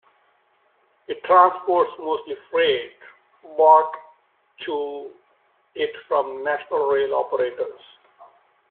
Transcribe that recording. It transports mostly freight brought to it from national rail operators.